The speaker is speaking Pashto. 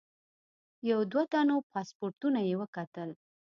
یو دوه تنو پاسپورټونه یې وکتل.